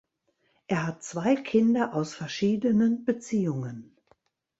Er hat zwei Kinder aus verschiedenen Beziehungen.